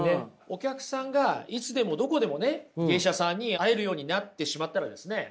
お客さんがいつでもどこでもね芸者さんに会えるようになってしまったらですね